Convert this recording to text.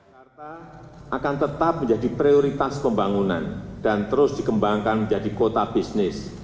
jakarta akan tetap menjadi prioritas pembangunan dan terus dikembangkan menjadi kota bisnis